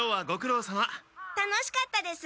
楽しかったです！